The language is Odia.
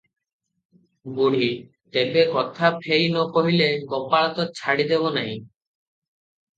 ବୁଢୀ - ତେବେ, କଥା ଫେଇ ନ କହିଲେ ଗୋପାଳ ତ ଛାଡ଼ି ଦେବ ନାହିଁ ।